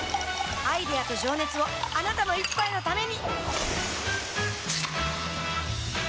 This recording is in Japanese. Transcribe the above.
アイデアと情熱をあなたの一杯のためにプシュッ！